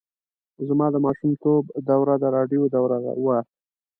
زما د ماشومتوب دوره د راډیو دوره وه.